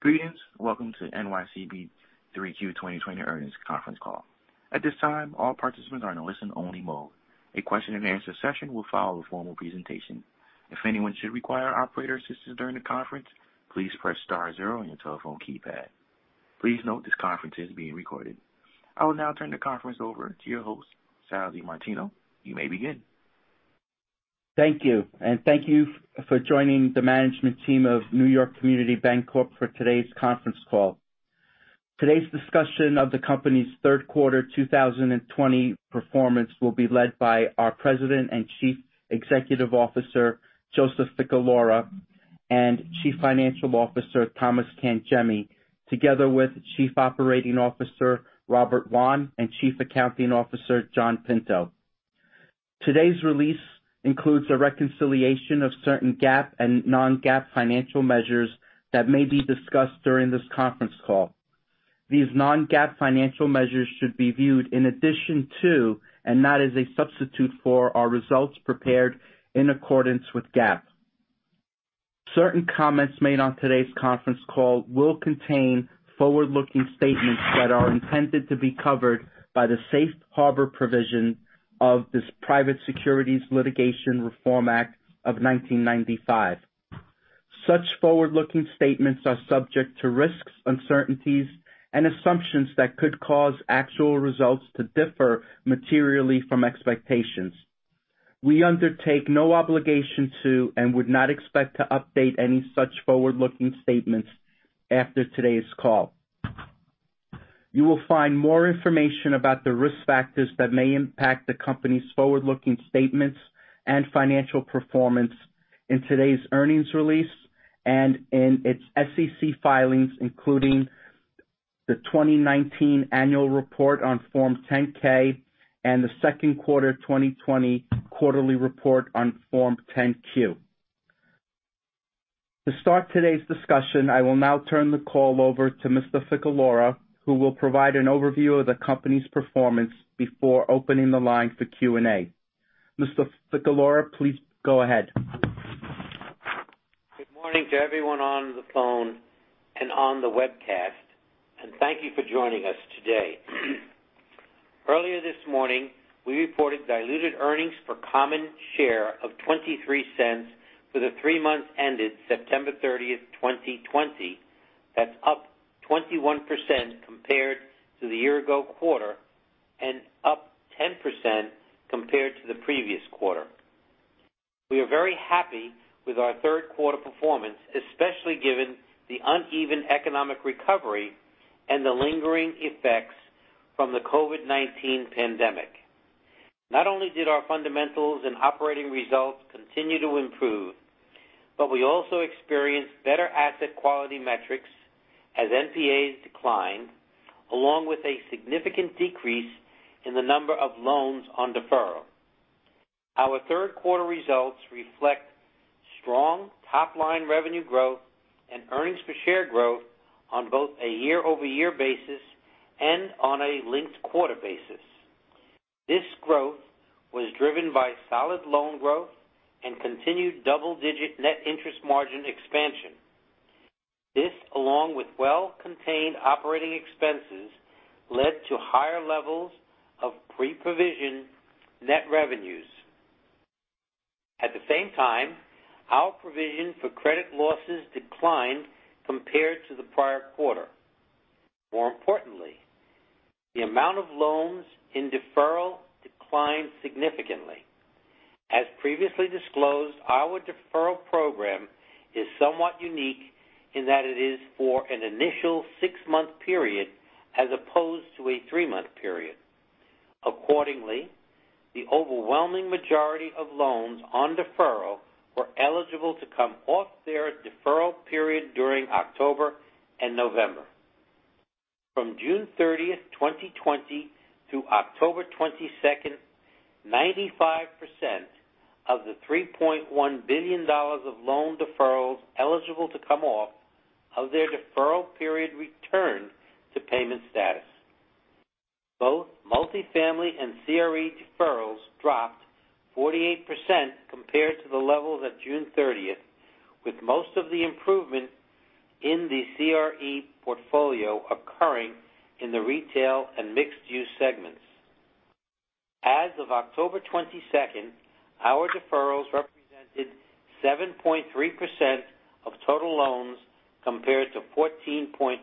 Greetings. Welcome to NYCB 3Q2020 earnings conference call. At this time, all participants are in a listen-only mode. A question-and-answer session will follow a formal presentation. If anyone should require operator assistance during the conference, please press star zero on your telephone keypad. Please note this conference is being recorded. I will now turn the conference over to your host, Salvatore DiMartino. You may begin. Thank you and thank you for joining the management team of New York Community Bancorp for today's conference call. Today's discussion of the company's third quarter 2020 performance will be led by our President and Chief Executive Officer, Joseph Ficalora, and Chief Financial Officer, Thomas Cangemi, together with Chief Operating Officer, Robert Wann, and Chief Accounting Officer, John Pinto. Today's release includes a reconciliation of certain GAAP and non-GAAP financial measures that may be discussed during this conference call. These non-GAAP financial measures should be viewed in addition to, and not as a substitute for, our results prepared in accordance with GAAP. Certain comments made on today's conference call will contain forward-looking statements that are intended to be covered by the safe harbor provision of the Private Securities Litigation Reform Act of 1995. Such forward-looking statements are subject to risks, uncertainties, and assumptions that could cause actual results to differ materially from expectations. We undertake no obligation to and would not expect to update any such forward-looking statements after today's call. You will find more information about the risk factors that may impact the company's forward-looking statements and financial performance in today's earnings release and in its SEC filings, including the 2019 annual report on Form 10-K and the second quarter 2020 quarterly report on Form 10-Q. To start today's discussion, I will now turn the call over to Mr. Ficalora, who will provide an overview of the company's performance before opening the line for Q&A. Mr. Ficalora, please go ahead. Good morning to everyone on the phone and on the webcast, and thank you for joining us today. Earlier this morning, we reported diluted earnings for common share of $0.23 for the three months ended September 30, 2020. That's up 21% compared to the year-ago quarter and up 10% compared to the previous quarter. We are very happy with our third quarter performance, especially given the uneven economic recovery and the lingering effects from the COVID-19 pandemic. Not only did our fundamentals and operating results continue to improve, but we also experienced better asset quality metrics as NPAs declined, along with a significant decrease in the number of loans on deferral. Our third quarter results reflect strong top-line revenue growth and earnings-per-share growth on both a year-over-year basis and on a linked quarter basis. This growth was driven by solid loan growth and continued double-digit net interest margin expansion. This, along with well-contained operating expenses, led to higher levels of pre-provision net revenues. At the same time, our provision for credit losses declined compared to the prior quarter. More importantly, the amount of loans in deferral declined significantly. As previously disclosed, our deferral program is somewhat unique in that it is for an initial six-month period as opposed to a three-month period. Accordingly, the overwhelming majority of loans on deferral were eligible to come off their deferral period during October and November. From June 30, 2020, through October 22, 95% of the $3.1 billion of loan deferrals eligible to come off of their deferral period returned to payment status. Both multi-family and CRE deferrals dropped 48% compared to the levels of June 30, with most of the improvement in the CRE portfolio occurring in the retail and mixed-use segments. As of October 22, our deferrals represented 7.3% of total loans compared to 14.4%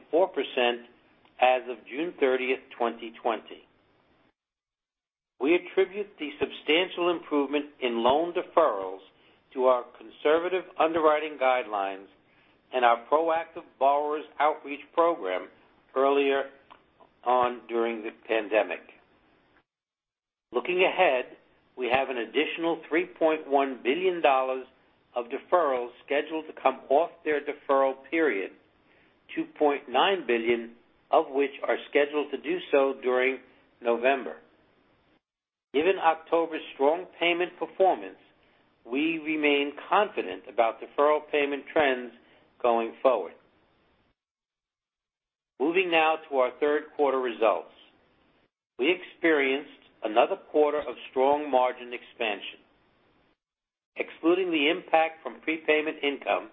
as of June 30, 2020. We attribute the substantial improvement in loan deferrals to our conservative underwriting guidelines and our proactive borrowers' outreach program earlier on during the pandemic. Looking ahead, we have an additional $3.1 billion of deferrals scheduled to come off their deferral period, $2.9 billion of which are scheduled to do so during November. Given October's strong payment performance, we remain confident about deferral payment trends going forward. Moving now to our third quarter results, we experienced another quarter of strong margin expansion. Excluding the impact from prepayment income,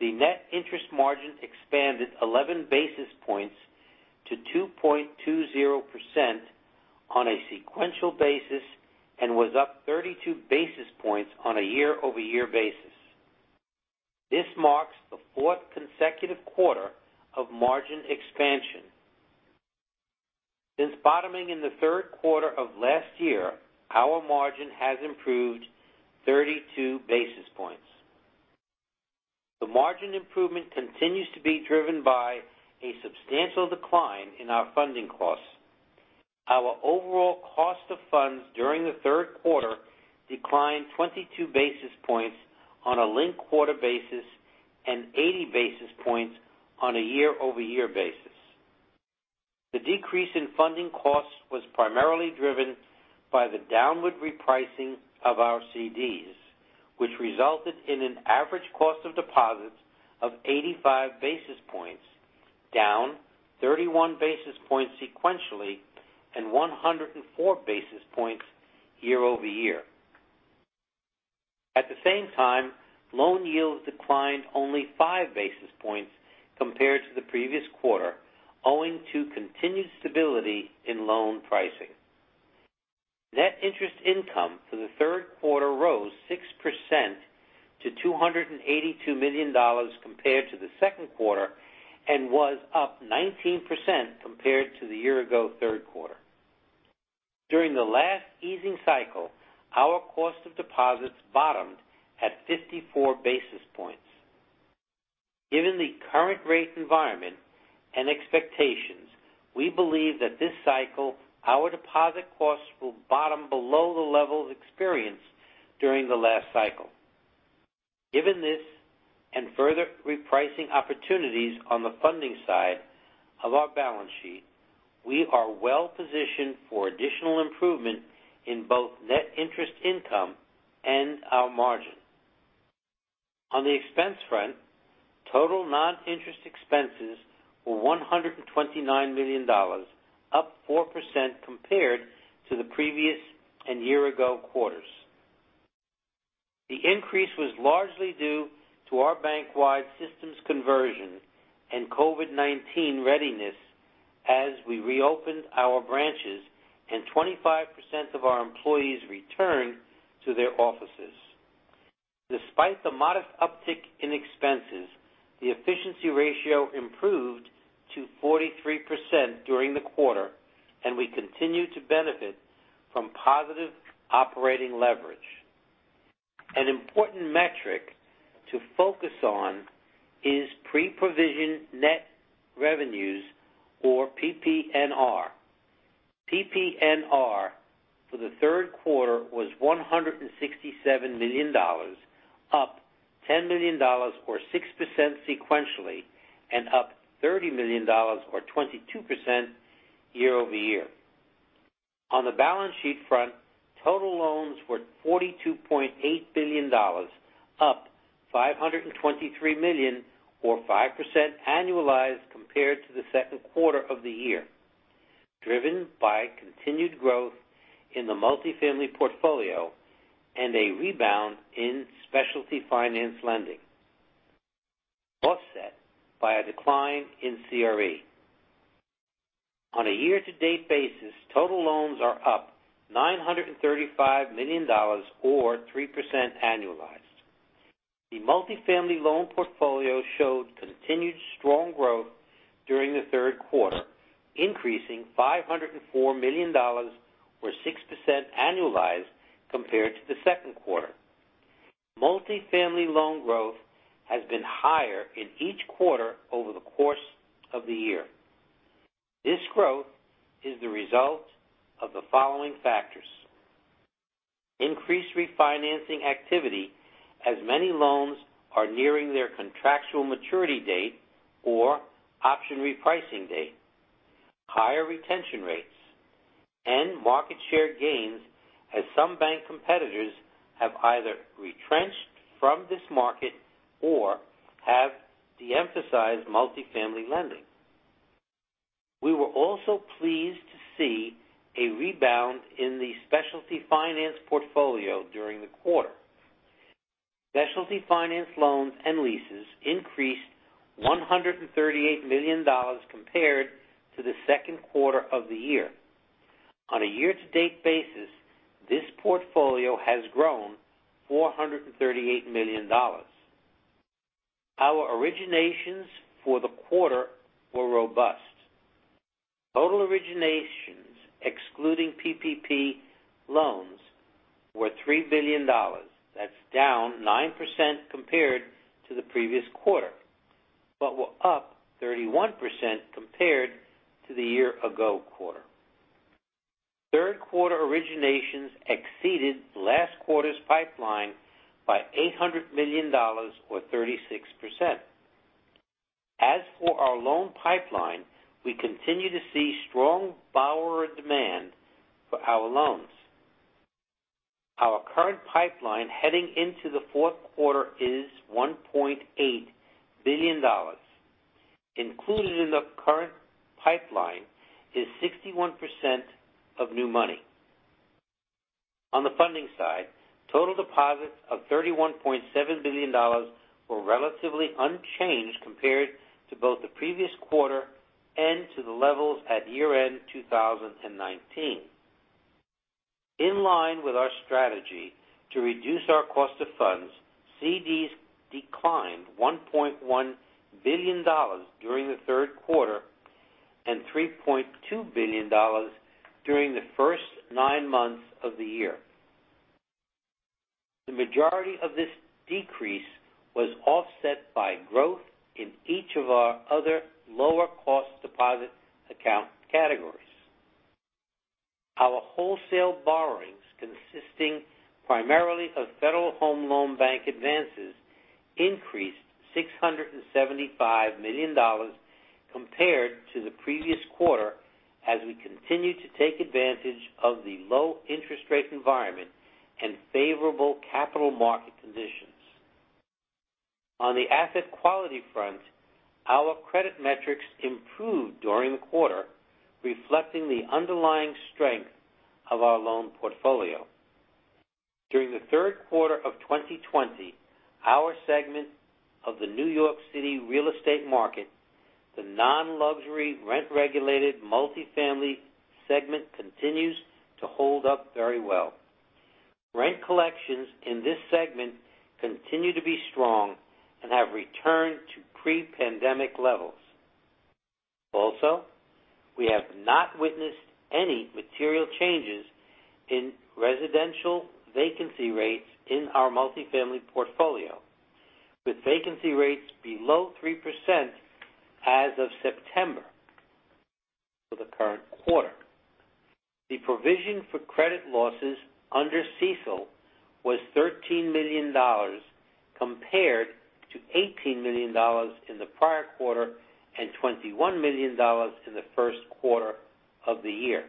the net interest margin expanded 11 basis points to 2.20% on a sequential basis and was up 32 basis points on a year-over-year basis. This marks the fourth consecutive quarter of margin expansion. Since bottoming in the third quarter of last year, our margin has improved 32 basis points. The margin improvement continues to be driven by a substantial decline in our funding costs. Our overall cost of funds during the third quarter declined 22 basis points on a linked quarter basis and 80 basis points on a year-over-year basis. The decrease in funding costs was primarily driven by the downward repricing of our CDs, which resulted in an average cost of deposits of 85 basis points, down 31 basis points sequentially, and 104 basis points year-over-year. At the same time, loan yields declined only 5 basis points compared to the previous quarter, owing to continued stability in loan pricing. Net interest income for the third quarter rose 6% to $282 million compared to the second quarter and was up 19% compared to the year-ago third quarter. During the last easing cycle, our cost of deposits bottomed at 54 basis points. Given the current rate environment and expectations, we believe that this cycle our deposit costs will bottom below the levels experienced during the last cycle. Given this and further repricing opportunities on the funding side of our balance sheet, we are well-positioned for additional improvement in both net interest income and our margin. On the expense front, total non-interest expenses were $129 million, up 4% compared to the previous and year-ago quarters. The increase was largely due to our bank-wide systems conversion and COVID-19 readiness as we reopened our branches and 25% of our employees returned to their offices. Despite the modest uptick in expenses, the efficiency ratio improved to 43% during the quarter, and we continue to benefit from positive operating leverage. An important metric to focus on is pre-provision net revenues, or PPNR. PPNR for the third quarter was $167 million, up $10 million or 6% sequentially, and up $30 million or 22% year-over-year. On the balance sheet front, total loans were $42.8 billion, up $523 million, or 5% annualized compared to the second quarter of the year, driven by continued growth in the multi-family portfolio and a rebound in specialty finance lending, offset by a decline in CRE. On a year-to-date basis, total loans are up $935 million, or 3% annualized. The multi-family loan portfolio showed continued strong growth during the third quarter, increasing $504 million, or 6% annualized compared to the second quarter. Multi-family loan growth has been higher in each quarter over the course of the year. This growth is the result of the following factors: increased refinancing activity as many loans are nearing their contractual maturity date or option repricing date, higher retention rates, and market share gains as some bank competitors have either retrenched from this market or have de-emphasized multi-family lending. We were also pleased to see a rebound in the specialty finance portfolio during the quarter. Specialty finance loans and leases increased $138 million compared to the second quarter of the year. On a year-to-date basis, this portfolio has grown $438 million. Our originations for the quarter were robust. Total originations, excluding PPP loans, were $3 billion. That's down 9% compared to the previous quarter, but were up 31% compared to the year-ago quarter. Third quarter originations exceeded last quarter's pipeline by $800 million, or 36%. As for our loan pipeline, we continue to see strong borrower demand for our loans. Our current pipeline heading into the fourth quarter is $1.8 billion. Included in the current pipeline is 61% of new money. On the funding side, total deposits of $31.7 billion were relatively unchanged compared to both the previous quarter and to the levels at year-end 2019. In line with our strategy to reduce our cost of funds, CDs declined $1.1 billion during the third quarter and $3.2 billion during the first nine months of the year. The majority of this decrease was offset by growth in each of our other lower-cost deposit account categories. Our wholesale borrowings, consisting primarily of Federal Home Loan Bank advances, increased $675 million compared to the previous quarter as we continue to take advantage of the low interest rate environment and favorable capital market conditions. On the asset quality front, our credit metrics improved during the quarter, reflecting the underlying strength of our loan portfolio. During the third quarter of 2020, our segment of the New York City real estate market, the non-luxury rent-regulated multi-family segment, continues to hold up very well. Rent collections in this segment continue to be strong and have returned to pre-pandemic levels. Also, we have not witnessed any material changes in residential vacancy rates in our multi-family portfolio, with vacancy rates below 3% as of September for the current quarter. The provision for credit losses under CECL was $13 million compared to $18 million in the prior quarter and $21 million in the first quarter of the year.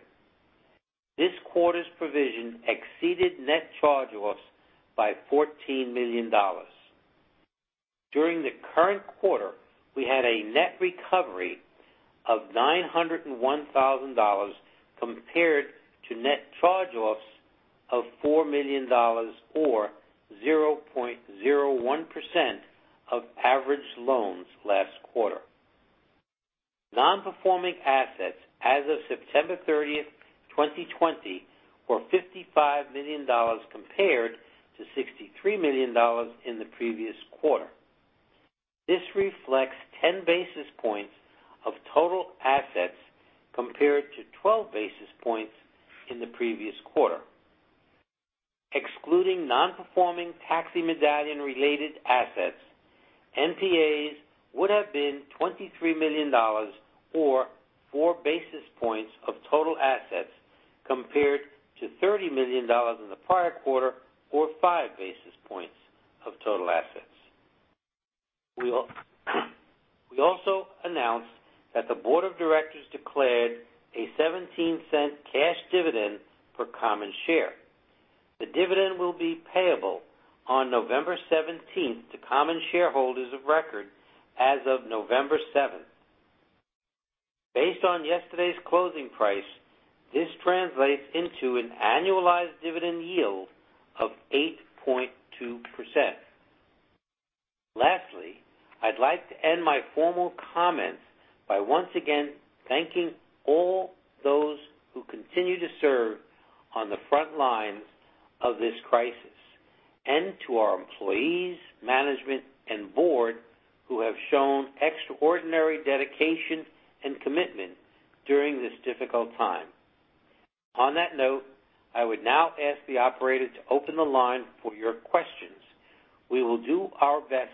This quarter's provision exceeded net charge-offs by $14 million. During the current quarter, we had a net recovery of $901,000 compared to net charge-offs of $4 million, or 0.01% of average loans last quarter. Non-performing assets as of September 30, 2020, were $55 million compared to $63 million in the previous quarter. This reflects 10 basis points of total assets compared to 12 basis points in the previous quarter. Excluding non-performing taxi medallion-related assets, NPAs would have been $23 million, or 4 basis points of total assets compared to $30 million in the prior quarter, or 5 basis points of total assets. We also announced that the board of directors declared a $0.17 cash dividend per common share. The dividend will be payable on November 17 to common shareholders of record as of November 7. Based on yesterday's closing price, this translates into an annualized dividend yield of 8.2%. Lastly, I'd like to end my formal comments by once again thanking all those who continue to serve on the front lines of this crisis, and to our employees, management, and board who have shown extraordinary dedication and commitment during this difficult time. On that note, I would now ask the operators to open the line for your questions. We will do our best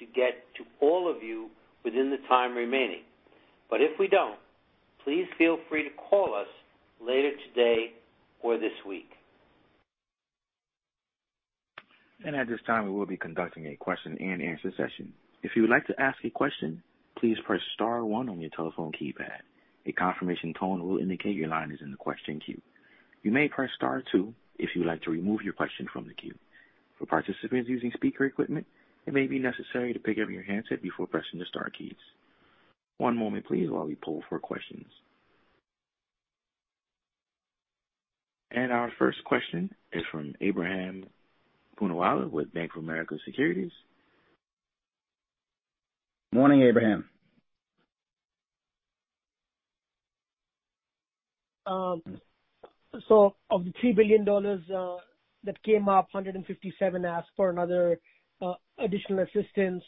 to get to all of you within the time remaining, but if we don't, please feel free to call us later today or this week, and at this time, we will be conducting a question-and-answer session. If you would like to ask a question, please press star one on your telephone keypad. A confirmation tone will indicate your line is in the question queue. You may press star two if you would like to remove your question from the queue. For participants using speaker equipment, it may be necessary to pick up your handset before pressing the star keys. One moment, please, while we poll for questions, and our first question is from Ebrahim Poonawala with Bank of America Securities. Morning, Ebrahim. Of the $3 billion that came up, 157 asked for another additional assistance.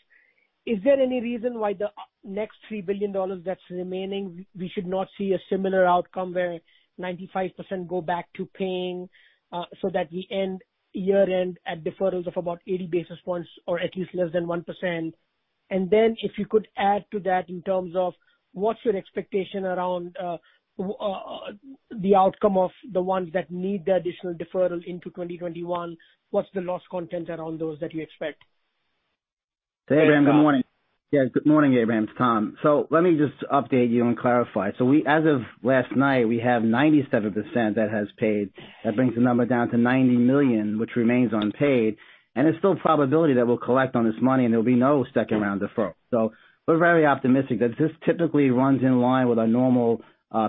Is there any reason why the next $3 billion that's remaining, we should not see a similar outcome where 95% go back to paying so that we end year-end at deferrals of about 80 basis points or at least less than 1%? And then if you could add to that in terms of what's your expectation around the outcome of the ones that need the additional deferral into 2021, what's the loss content around those that you expect? Hey, Ebrahim. Good morning. Yeah, good morning, Ebrahim. It's Thomas. So let me just update you and clarify. So as of last night, we have 97% that has paid. That brings the number down to $90 million, which remains unpaid. It's still a probability that we'll collect on this money, and there will be no second round deferral. So we're very optimistic that this typically runs in line with our normal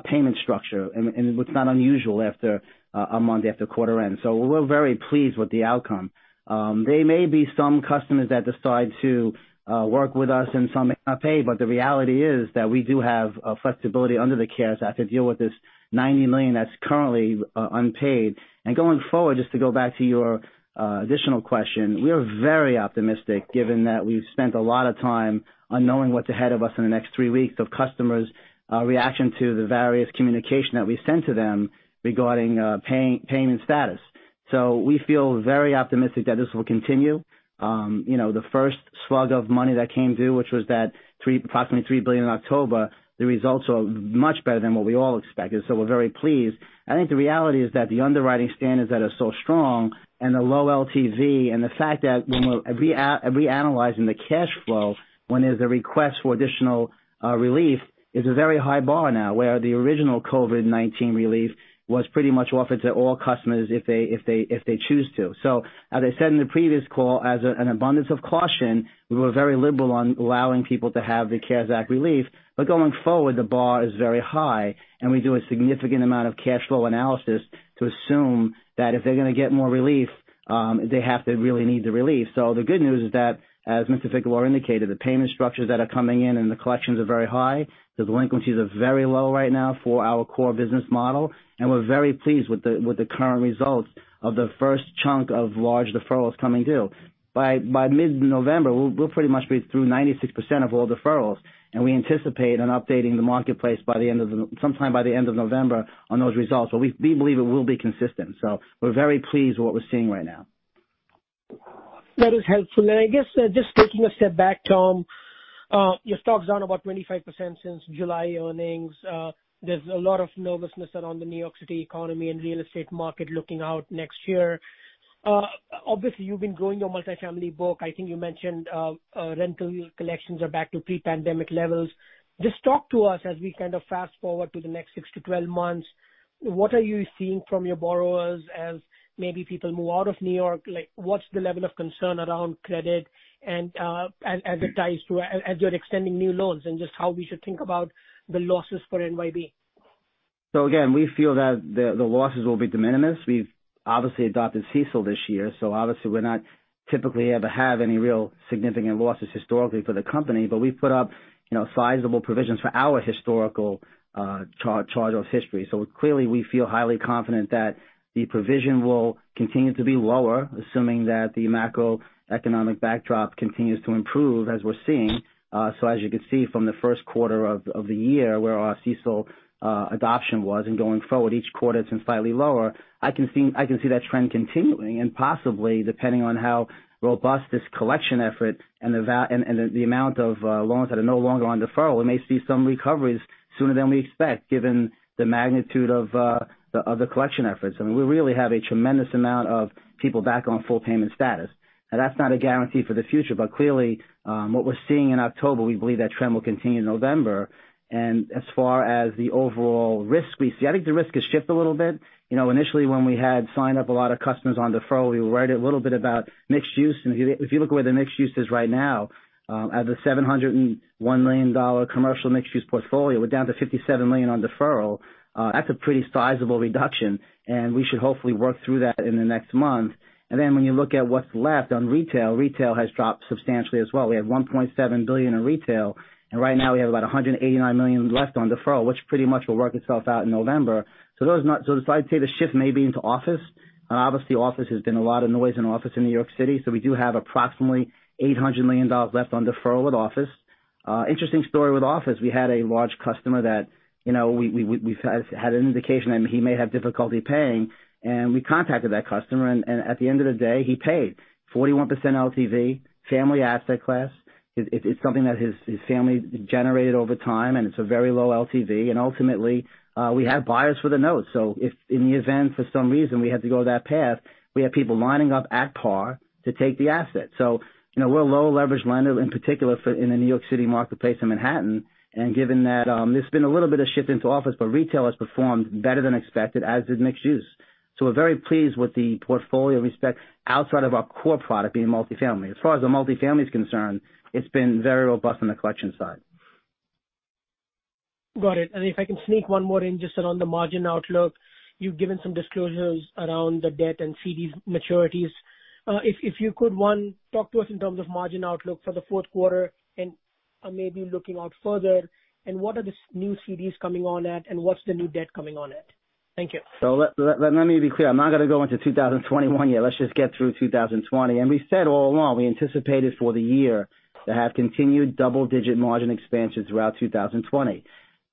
payment structure, and it's not unusual after a month after quarter end. So we're very pleased with the outcome. There may be some customers that decide to work with us and some may not pay, but the reality is that we do have flexibility under the CARES to deal with this $90 million that's currently unpaid. And going forward, just to go back to your additional question, we are very optimistic given that we've spent a lot of time on knowing what's ahead of us in the next three weeks of customers' reaction to the various communication that we send to them regarding payment status. So we feel very optimistic that this will continue. The first slug of money that came due, which was that approximately $3 billion in October, the results are much better than what we all expected. So we're very pleased. I think the reality is that the underwriting standards that are so strong and the low LTV and the fact that when we're reanalyzing the cash flow, when there's a request for additional relief, it's a very high bar now where the original COVID-19 relief was pretty much offered to all customers if they choose to. So as I said in the previous call, as an abundance of caution, we were very liberal on allowing people to have the CARES Act relief. But going forward, the bar is very high, and we do a significant amount of cash flow analysis to assume that if they're going to get more relief, they have to really need the relief. So the good news is that, as Mr. Ficalora indicated, the payment structures that are coming in and the collections are very high. The delinquencies are very low right now for our core business model. And we're very pleased with the current results of the first chunk of large deferrals coming due. By mid-November, we'll pretty much be through 96% of all deferrals. And we anticipate updating the marketplace sometime by the end of November on those results. But we believe it will be consistent. So we're very pleased with what we're seeing right now. That is helpful. And I guess just taking a step back, Thomas, your stock's down about 25% since July earnings. There's a lot of nervousness around the New York City economy and real estate market looking out next year. Obviously, you've been growing your multi-family book. I think you mentioned rental collections are back to pre-pandemic levels. Just talk to us as we kind of fast forward to the next six to 12 months. What are you seeing from your borrowers as maybe people move out of New York? What's the level of concern around credit as it ties to, as you're extending new loans, and just how we should think about the losses for NYCB? So again, we feel that the losses will be de minimis. We've obviously adopted CECL this year. So obviously, we're not typically ever have any real significant losses historically for the company. But we've put up sizable provisions for our historical charge-off history. So clearly, we feel highly confident that the provision will continue to be lower, assuming that the macroeconomic backdrop continues to improve as we're seeing. So as you could see from the first quarter of the year where our CECL adoption was, and going forward, each quarter it's been slightly lower. I can see that trend continuing. And possibly, depending on how robust this collection effort and the amount of loans that are no longer on deferral, we may see some recoveries sooner than we expect given the magnitude of the collection efforts. I mean, we really have a tremendous amount of people back on full payment status. Now, that's not a guarantee for the future. But clearly, what we're seeing in October, we believe that trend will continue in November. And as far as the overall risk we see, I think the risk has shifted a little bit. Initially, when we had signed up a lot of customers on deferral, we were worried a little bit about mixed use. And if you look where the mixed use is right now, at the $701 million commercial mixed-use portfolio, we're down to $57 million on deferral. That's a pretty sizable reduction. And we should hopefully work through that in the next month. And then when you look at what's left on retail, retail has dropped substantially as well. We had $1.7 billion in retail. And right now, we have about $189 million left on deferral, which pretty much will work itself out in November. So I'd say the shift may be into office. And obviously, office has been a lot of noise in office in New York City. So we do have approximately $800 million left on deferral with office. Interesting story with office. We had a large customer that we had an indication that he may have difficulty paying. And we contacted that customer. And at the end of the day, he paid 41% LTV, family asset class. It's something that his family generated over time, and it's a very low LTV. And ultimately, we have buyers for the notes. So if in the event, for some reason, we had to go that path, we have people lining up at par to take the asset. So we're a low-leverage lender, in particular in the New York City marketplace in Manhattan. And given that there's been a little bit of shift into office, but retail has performed better than expected, as did mixed use. So we're very pleased with respect to the portfolio outside of our core product being multi-family. As far as the multi-family is concerned, it's been very robust on the collection side. Got it. If I can sneak one more in just on the margin outlook, you've given some disclosures around the debt and CDs maturities. If you could, one, talk to us in terms of margin outlook for the fourth quarter and maybe looking out further. And what are the new CDs coming on at, and what's the new debt coming on at? Thank you. Let me be clear. I'm not going to go into 2021 yet. Let's just get through 2020. And we said all along we anticipated for the year to have continued double-digit margin expansion throughout 2020.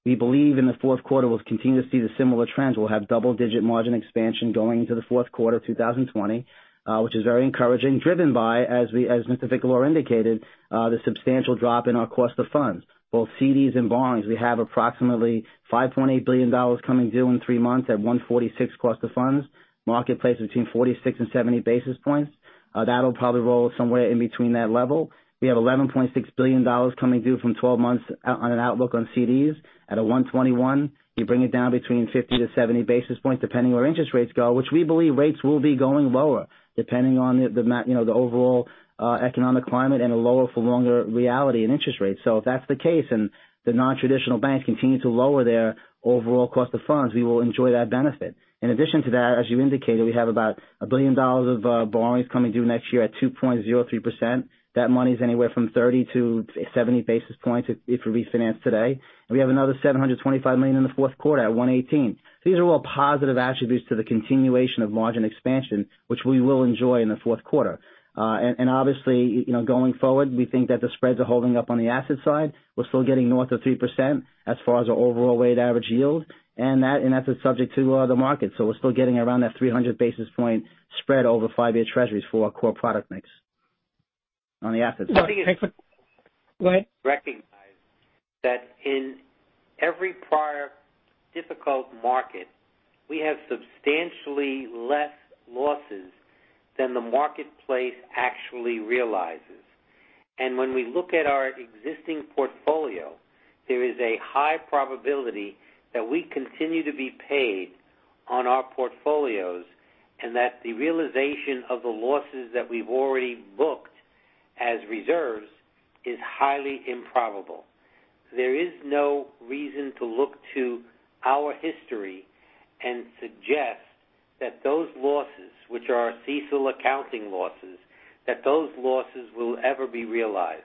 We believe in the fourth quarter we'll continue to see the similar trends. We'll have double-digit margin expansion going into the fourth quarter of 2020, which is very encouraging, driven by, as Mr. Ficalora indicated, the substantial drop in our cost of funds. Both CDs and borrowings, we have approximately $5.8 billion coming due in three months at 1.46% cost of funds. Marketplace between 46 and 70 basis points. That'll probably roll somewhere in between that level. We have $11.6 billion coming due from 12 months on an outlook on CDs at a 1.21%. You bring it down between 50 to 70 basis points depending where interest rates go, which we believe rates will be going lower depending on the overall economic climate and a lower-for-longer reality in interest rates. So if that's the case and the non-traditional banks continue to lower their overall cost of funds, we will enjoy that benefit. In addition to that, as you indicated, we have about $1 billion of borrowings coming due next year at 2.03%. That money is anywhere from 30 to 70 basis points if we refinance today. And we have another $725 million in the fourth quarter at 118. These are all positive attributes to the continuation of margin expansion, which we will enjoy in the fourth quarter. And obviously, going forward, we think that the spreads are holding up on the asset side. We're still getting north of 3% as far as our overall weighted average yield. And that's subject to the market. So we're still getting around that 300 basis point spread over five-year treasuries for our core product mix on the asset side. Go ahead. Recognize that in every prior difficult market, we have substantially less losses than the marketplace actually realizes. And when we look at our existing portfolio, there is a high probability that we continue to be paid on our portfolios and that the realization of the losses that we've already booked as reserves is highly improbable. There is no reason to look to our history and suggest that those losses, which are CECL accounting losses, that those losses will ever be realized.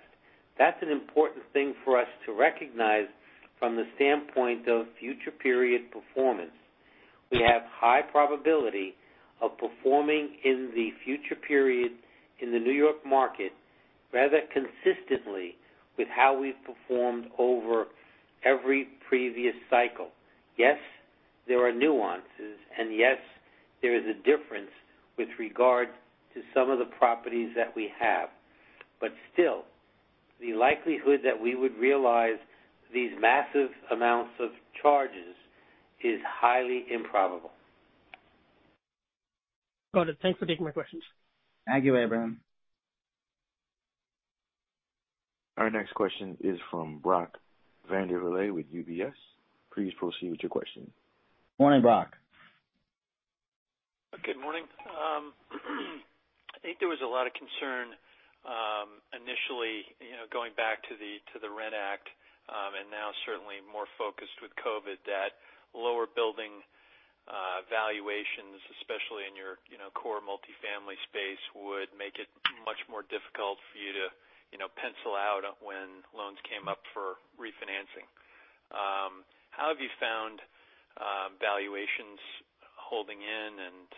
That's an important thing for us to recognize from the standpoint of future period performance. We have high probability of performing in the future period in the New York market rather consistently with how we've performed over every previous cycle. Yes, there are nuances, and yes, there is a difference with regard to some of the properties that we have. But still, the likelihood that we would realize these massive amounts of charges is highly improbable. Got it. Thanks for taking my questions. Thank you, Ebrahim. Our next question is from Brock Vandervliet with UBS. Please proceed with your question. Morning, Brock. Good morning. I think there was a lot of concern initially going back to the Rent Act and now certainly more focused with COVID that lower building valuations, especially in your core multi-family space, would make it much more difficult for you to pencil out when loans came up for refinancing. How have you found valuations holding in? And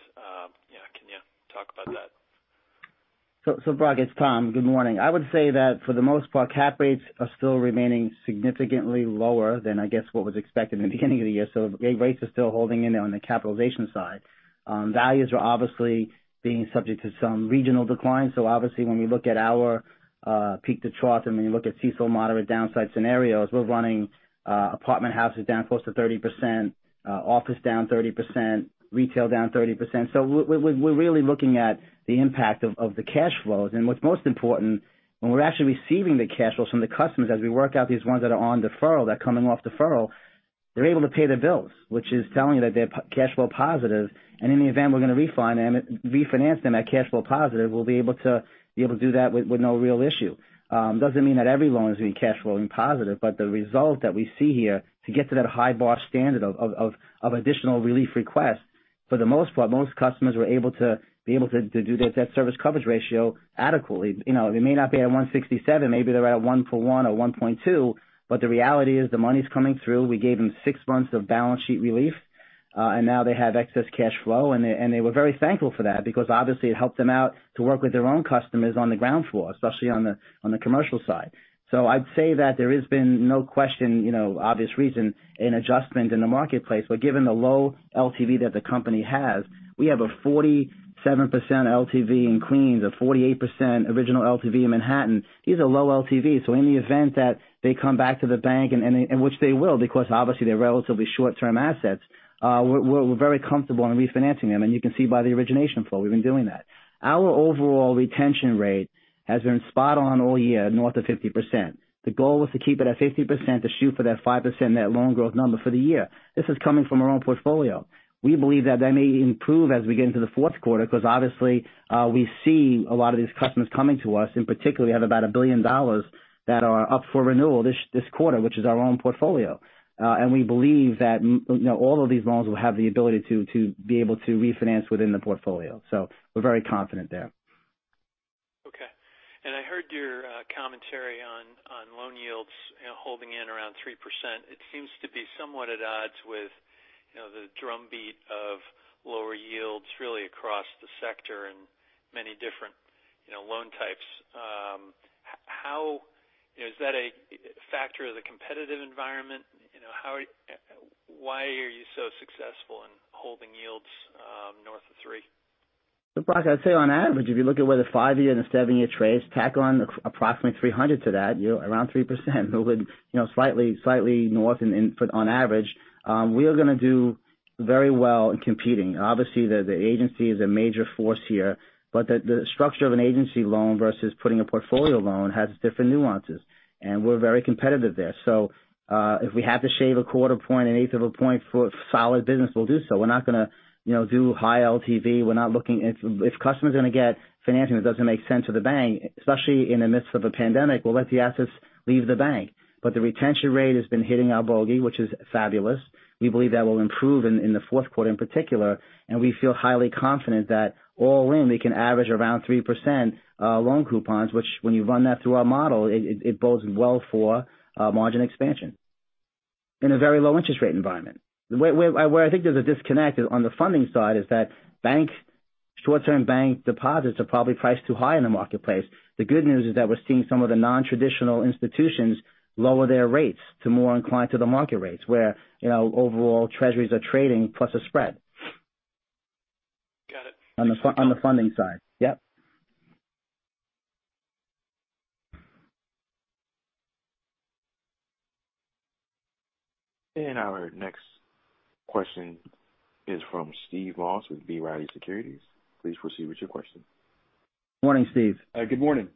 can you talk about that? So Brock, it's Thomas. Good morning. I would say that for the most part, cap rates are still remaining significantly lower than I guess what was expected in the beginning of the year. So rates are still holding in on the capitalization side. Values are obviously being subject to some regional decline. So obviously, when we look at our peak to trough and when you look at CECL moderate downside scenarios, we're running apartment houses down close to 30%, office down 30%, retail down 30%. So we're really looking at the impact of the cash flows. And what's most important, when we're actually receiving the cash flows from the customers, as we work out these ones that are on deferral, that are coming off deferral, they're able to pay their bills, which is telling you that they're cash flow positive. And in the event we're going to refinance them at cash flow positive, we'll be able to do that with no real issue. Doesn't mean that every loan is going to be cash flowing positive. But the result that we see here, to get to that high bar standard of additional relief request, for the most part, most customers were able to do that debt service coverage ratio adequately. They may not be at 167. Maybe they're at a 1 for 1 or 1.2. But the reality is the money's coming through. We gave them six months of balance sheet relief, and now they have excess cash flow. And they were very thankful for that because obviously, it helped them out to work with their own customers on the ground floor, especially on the commercial side. So I'd say that there has been no question, obvious reason, in adjustment in the marketplace. But given the low LTV that the company has, we have a 47% LTV in Queens, a 48% original LTV in Manhattan. These are low LTVs. So in the event that they come back to the bank, which they will because obviously, they're relatively short-term assets, we're very comfortable in refinancing them. And you can see by the origination flow, we've been doing that. Our overall retention rate has been spot on all year, north of 50%. The goal was to keep it at 50% to shoot for that 5% net loan growth number for the year. This is coming from our own portfolio. We believe that that may improve as we get into the fourth quarter because obviously, we see a lot of these customers coming to us, in particular, we have about $1 billion that are up for renewal this quarter, which is our own portfolio. And we believe that all of these loans will have the ability to be able to refinance within the portfolio. So we're very confident there. Okay. And I heard your commentary on loan yields holding in around 3%. It seems to be somewhat at odds with the drumbeat of lower yields really across the sector and many different loan types. Is that a factor of the competitive environment? Why are you so successful in holding yields north of 3%? So, Brock, I'd say on average, if you look at where the five-year and the seven-year trades tack on approximately 300 to that, around 3%, slightly north on average, we are going to do very well in competing. Obviously, the agency is a major force here. But the structure of an agency loan versus putting a portfolio loan has different nuances. And we're very competitive there. So if we have to shave a quarter point, an eighth of a point for solid business, we'll do so. We're not going to do high LTV. We're not looking if customers are going to get financing that doesn't make sense to the bank, especially in the midst of a pandemic. We'll let the assets leave the bank. But the retention rate has been hitting our bogey, which is fabulous. We believe that will improve in the fourth quarter in particular. And we feel highly confident that all in, we can average around 3% loan coupons, which when you run that through our model, it bodes well for margin expansion in a very low interest rate environment. Where I think there's a disconnect on the funding side is that short-term bank deposits are probably priced too high in the marketplace. The good news is that we're seeing some of the non-traditional institutions lower their rates to more inclined to the market rates where overall treasuries are trading plus a spread. Got it. On the funding side. Yep. And our next question is from Steve Moss with B. Riley Securities. Please proceed with your question. Morning, Steve. Good morning.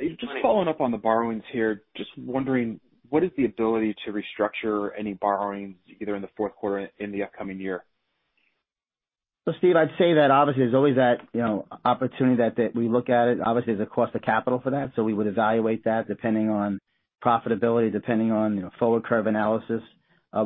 Just following up on the borrowings here, just wondering, what is the ability to restructure any borrowings either in the fourth quarter or in the upcoming year? So Steve, I'd say that obviously, there's always that opportunity that we look at it. Obviously, there's a cost of capital for that. So we would evaluate that depending on profitability, depending on forward curve analysis.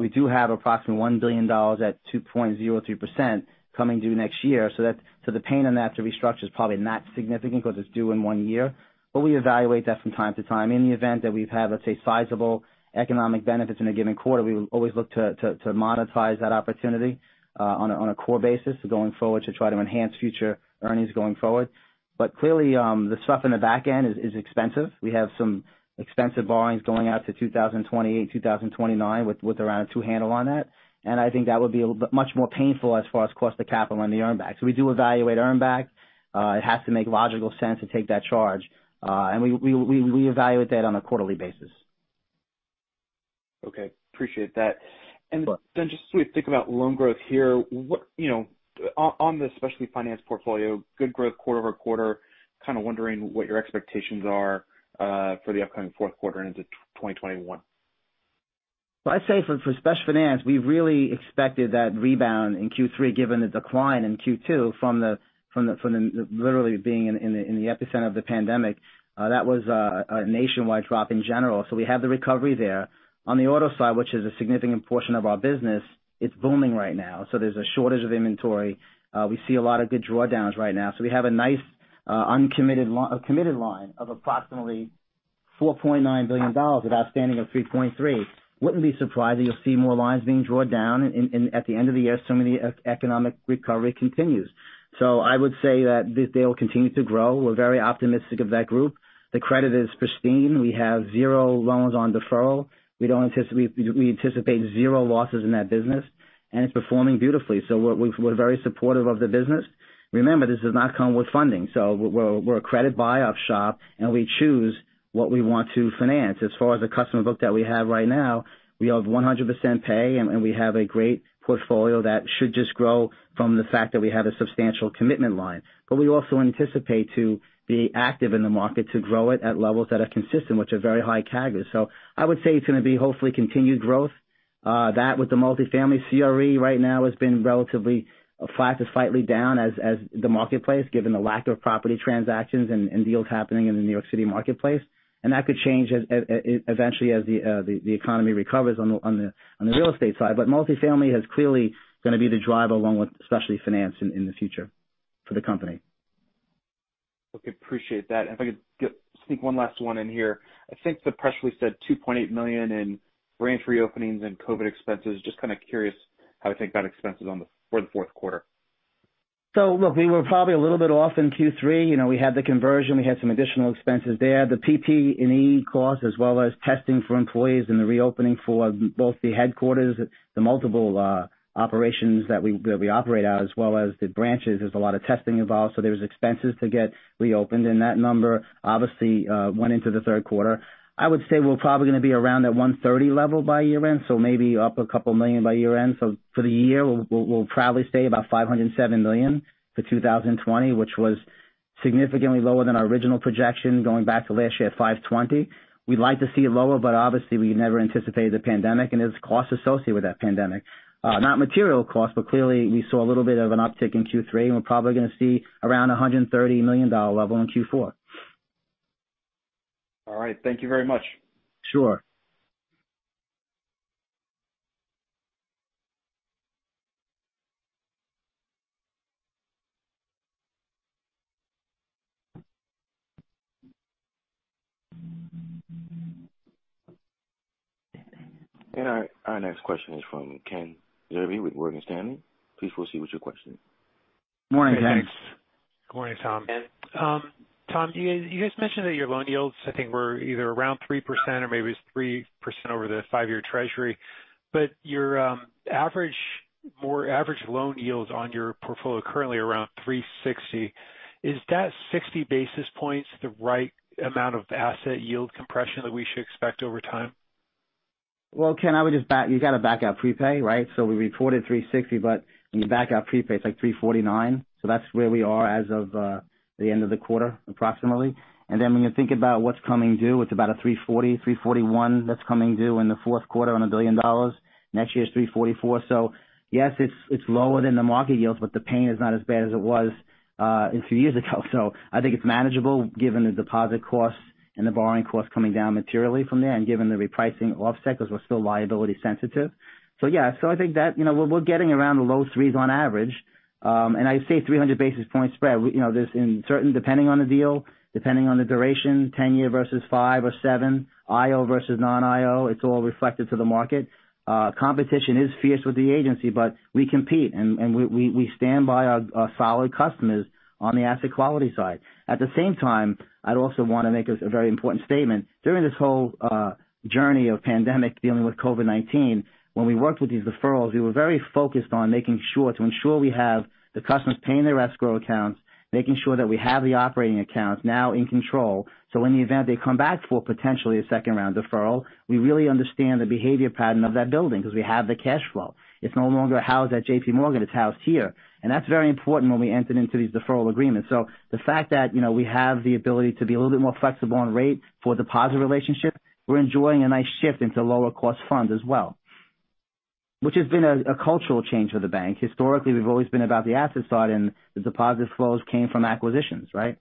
We do have approximately $1 billion at 2.03% coming due next year. So the pain on that to restructure is probably not significant because it's due in one year. But we evaluate that from time to time. In the event that we have, let's say, sizable economic benefits in a given quarter, we will always look to monetize that opportunity on a core basis going forward to try to enhance future earnings going forward. But clearly, the stuff in the back end is expensive. We have some expensive borrowings going out to 2028, 2029 with around a two-handle on that. I think that would be much more painful as far as cost of capital on the earnback. So we do evaluate earnback. It has to make logical sense to take that charge. And we evaluate that on a quarterly basis. Okay. Appreciate that. And then just think about loan growth here. On the specialty finance portfolio, good growth quarter over quarter, kind of wondering what your expectations are for the upcoming fourth quarter into 2021? Well, I'd say for specialty finance, we really expected that rebound in Q3, given the decline in Q2 from literally being in the epicenter of the pandemic. That was a nationwide drop in general. So we have the recovery there. On the auto side, which is a significant portion of our business, it's booming right now. So there's a shortage of inventory. We see a lot of good drawdowns right now. So we have a nice uncommitted line of approximately $4.9 billion, an outstanding of $3.3 billion. I wouldn't be surprised that you'll see more lines being drawn down at the end of the year as the economic recovery continues. So I would say that they will continue to grow. We're very optimistic of that group. The credit is pristine. We have zero loans on deferral. We anticipate zero losses in that business. And it's performing beautifully. So we're very supportive of the business. Remember, this does not come with funding. So we're a credit buy-off shop, and we choose what we want to finance. As far as the customer book that we have right now, we have 100% pay, and we have a great portfolio that should just grow from the fact that we have a substantial commitment line. But we also anticipate to be active in the market to grow it at levels that are consistent, which are very high CAGRs. So I would say it's going to be hopefully continued growth. That with the multi-family CRE right now has been relatively flat to slightly down as the marketplace, given the lack of property transactions and deals happening in the New York City marketplace. And that could change eventually as the economy recovers on the real estate side. But multi-family is clearly going to be the driver along with specialty finance in the future for the company. Okay. Appreciate that. If I could sneak one last one in here. I think the press release said $2.8 million in branch reopenings and COVID expenses. Just kind of curious how you think about expenses for the fourth quarter. So look, we were probably a little bit off in Q3. We had the conversion. We had some additional expenses there. The PP&E costs, as well as testing for employees and the reopening for both the headquarters, the multiple operations that we operate out, as well as the branches, there's a lot of testing involved. So there were expenses to get reopened. And that number obviously went into the third quarter. I would say we're probably going to be around that $130 million level by year-end, so maybe up a couple of million by year-end. So for the year, we'll probably stay about $507 million for 2020, which was significantly lower than our original projection going back to last year at $520 million. We'd like to see it lower, but obviously, we never anticipated the pandemic and its costs associated with that pandemic. Not material costs, but clearly, we saw a little bit of an uptick in Q3. We're probably going to see around a $130 million level in Q4. All right. Thank you very much. Sure. Our next question is from Ken Zerbe with Morgan Stanley. Please proceed with your question. Morning, James. Morning, Thomas. Thomas, you guys mentioned that your loan yields, I think, were either around 3% or maybe it was 3% over the five-year treasury. But your average loan yields on your portfolio currently are around 360. Is that 60 basis points the right amount of asset yield compression that we should expect over time? Well, Ken, I would just say you got to back out prepay, right? So we reported 360, but when you back out prepay, it's like 349. So that's where we are as of the end of the quarter, approximately. Then when you think about what's coming due, it's about 340, 341 that's coming due in the fourth quarter on $1 billion. Next year is 344. Yes, it's lower than the market yields, but the pain is not as bad as it was a few years ago. I think it's manageable given the deposit costs and the borrowing costs coming down materially from there and given the repricing offset because we're still liability sensitive. Yeah. I think that we're getting around the low threes on average. I say 300 basis point spread. In certain, depending on the deal, depending on the duration, 10-year versus 5 or 7, IO versus non-IO, it's all reflected to the market. Competition is fierce with the agency, but we compete. We stand by our solid customers on the asset quality side. At the same time, I'd also want to make a very important statement. During this whole journey of pandemic dealing with COVID-19, when we worked with these deferrals, we were very focused on making sure to ensure we have the customers paying their escrow accounts, making sure that we have the operating accounts now in control. So in the event they come back for potentially a second round deferral, we really understand the behavior pattern of that building because we have the cash flow. It's no longer housed at JPMorgan. It's housed here. And that's very important when we entered into these deferral agreements. So the fact that we have the ability to be a little bit more flexible on rate for deposit relationship, we're enjoying a nice shift into lower-cost funds as well, which has been a cultural change for the bank. Historically, we've always been about the asset side, and the deposit flows came from acquisitions, right?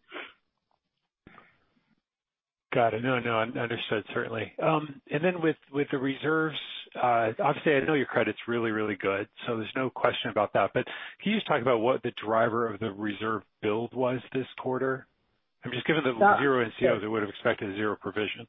Got it. No, no. Understood. Certainly. And then with the reserves, obviously, I know your credit's really, really good. So there's no question about that. But can you just talk about what the driver of the reserve build was this quarter? I'm just given that with zero NCOs, I would have expected zero provision.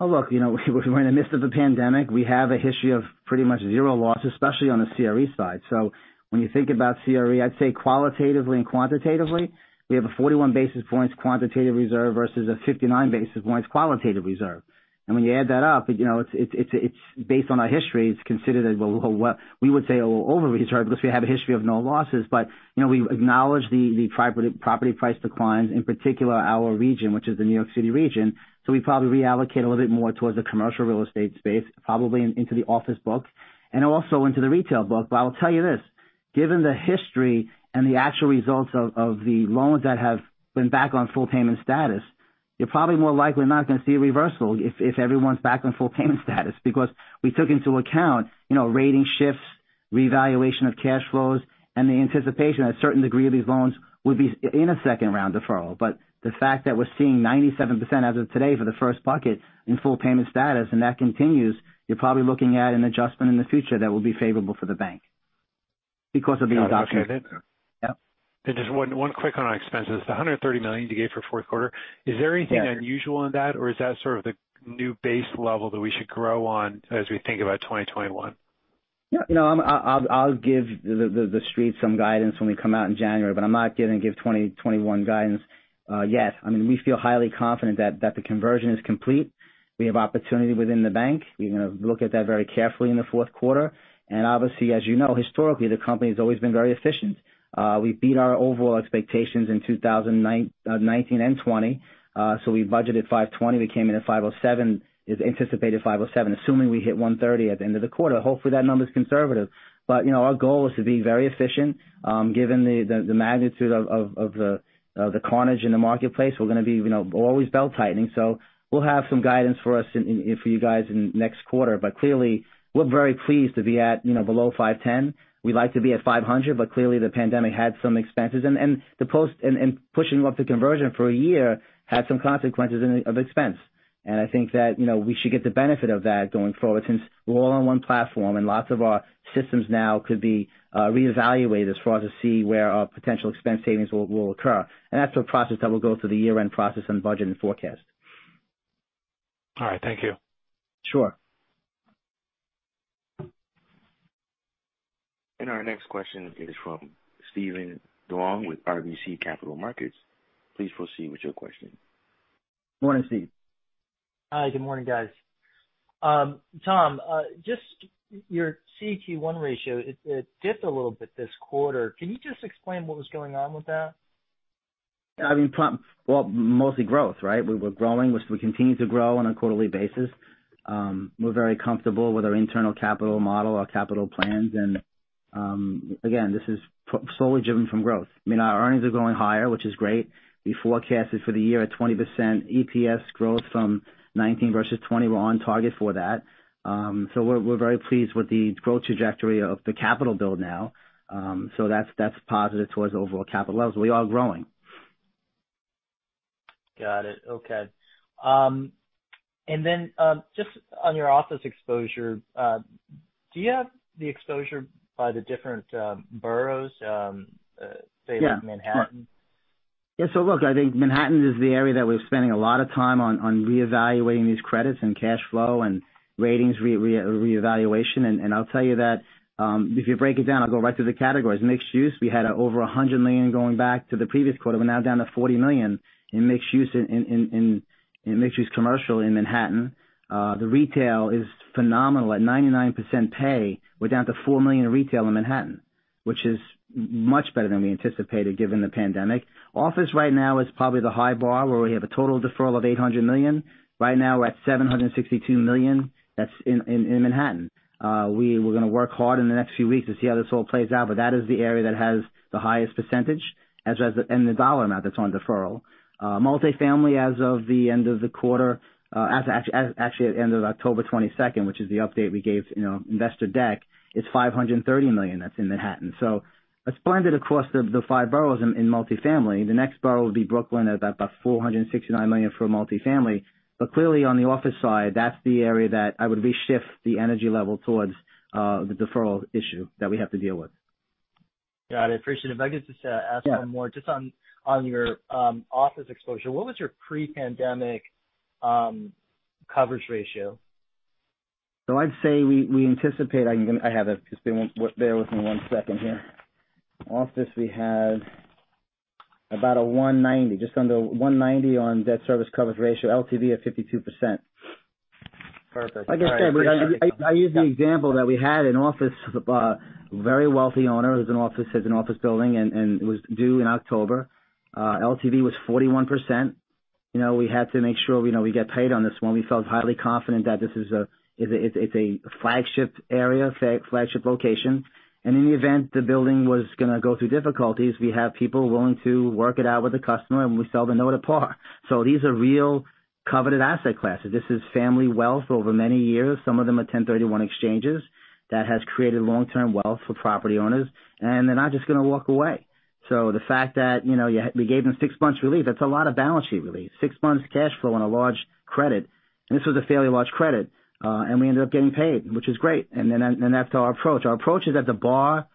Well, look, we're in the midst of a pandemic. We have a history of pretty much zero loss, especially on the CRE side. So when you think about CRE, I'd say qualitatively and quantitatively, we have a 41 basis points quantitative reserve versus a 59 basis points qualitative reserve. And when you add that up, it's based on our history. It's considered that we would say over-reserved because we have a history of no losses. But we acknowledge the property price declines, in particular, our region, which is the New York City region. So we probably reallocate a little bit more towards the commercial real estate space, probably into the office book and also into the retail book. But I'll tell you this. Given the history and the actual results of the loans that have been back on full payment status, you're probably more likely not going to see a reversal if everyone's back on full payment status because we took into account rating shifts, reevaluation of cash flows, and the anticipation that a certain degree of these loans would be in a second round deferral. But the fact that we're seeing 97% as of today for the first bucket in full payment status, and that continues, you're probably looking at an adjustment in the future that will be favorable for the bank because of the adoption. Yep. And just one quick on our expenses. The $130 million you gave for fourth quarter, is there anything unusual in that, or is that sort of the new base level that we should grow on as we think about 2021? Yeah. I'll give the street some guidance when we come out in January, but I'm not giving 2021 guidance yet. I mean, we feel highly confident that the conversion is complete. We have opportunity within the bank. We're going to look at that very carefully in the fourth quarter. And obviously, as you know, historically, the company has always been very efficient. We beat our overall expectations in 2019 and 2020, so we budgeted 520. We came in at 507, anticipated 507, assuming we hit 130 at the end of the quarter. Hopefully, that number is conservative, but our goal is to be very efficient. Given the magnitude of the carnage in the marketplace, we're going to be always belt tightening, so we'll have some guidance for us and for you guys in the next quarter, but clearly, we're very pleased to be at below 510. We'd like to be at 500, but clearly, the pandemic had some expenses, and pushing up the conversion for a year had some consequences of expense, and I think that we should get the benefit of that going forward since we're all on one platform and lots of our systems now could be reevaluated as far as to see where our potential expense savings will occur. That's a process that will go through the year-end process and budget and forecast. All right. Thank you. Sure. And our next question is from Steven Duong with RBC Capital Markets. Please proceed with your question. Morning, Steve. Hi. Good morning, guys. Tom, just your CET1 ratio, it dipped a little bit this quarter. Can you just explain what was going on with that? I mean, well. Mostly growth, right? We were growing. We continue to grow on a quarterly basis. We're very comfortable with our internal capital model, our capital plans. And again, this is solely driven from growth. I mean, our earnings are going higher, which is great. We forecasted for the year a 20% EPS growth from 2019 versus 2020. We're on target for that. So we're very pleased with the growth trajectory of the capital build now. So that's positive towards overall capital levels. We are growing. Got it. Okay. And then just on your office exposure, do you have the exposure by the different boroughs, say, like Manhattan? Yeah. So look, I think Manhattan is the area that we're spending a lot of time on reevaluating these credits and cash flow and ratings reevaluation. And I'll tell you that if you break it down, I'll go right to the categories. Mixed use, we had over $100 million going back to the previous quarter. We're now down to $40 million in mixed use commercial in Manhattan. The retail is phenomenal at 99% pay. We're down to $4 million retail in Manhattan, which is much better than we anticipated given the pandemic. Office right now is probably the high bar where we have a total deferral of $800 million. Right now, we're at $762 million. That's in Manhattan. We're going to work hard in the next few weeks to see how this all plays out. But that is the area that has the highest percentage and the dollar amount that's on deferral. Multi-family, as of the end of the quarter, actually at the end of October 22nd, which is the update we gave investor deck, is $530 million that's in Manhattan. So it's blended across the five boroughs in multi-family. The next borough would be Brooklyn at about $469 million for multi-family. But clearly, on the office side, that's the area that I would reshift the energy level towards the deferral issue that we have to deal with. Got it. Appreciate it. If I could just ask one more, just on your office exposure, what was your pre-pandemic coverage ratio? So I'd say we anticipate I have it. Just bear with me one second here. Office, we had about 190, just under 190, on debt service coverage ratio, LTV of 52%. Perfect. I guess I use the example that we had an office, a very wealthy owner who has an office building and it was due in October. LTV was 41%. We had to make sure we get paid on this one. We felt highly confident that this is a flagship area, flagship location. And in the event the building was going to go through difficulties, we have people willing to work it out with the customer, and we sell the note apart. So these are real coveted asset classes. This is family wealth over many years, some of them at 1031 exchanges that has created long-term wealth for property owners. And they're not just going to walk away. So the fact that we gave them six months' relief, that's a lot of balance sheet relief, six months' cash flow on a large credit. And this was a fairly large credit. And we ended up getting paid, which is great. And then that's our approach. Our approach is that the bar